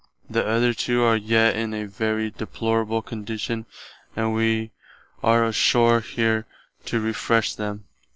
The other two are yet in a very deplorable condition and wee are ashore here to refresh them....